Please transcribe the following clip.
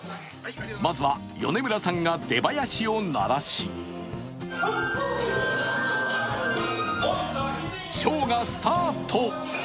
まずは、米村さんが出囃子をならしショーがスタート。